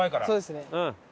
そうですね。